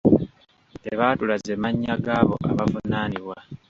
Tebaatulaze mannya g'abo abavunaanibwa.